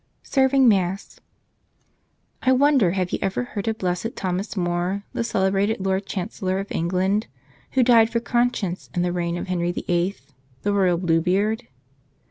Settling egass 1 WONDER have you ever heard of Blessed Thomas More, the celebrated Lord Chancellor of England, who died for conscience in the reign of Henry VIII, the "Royal Bluebeard."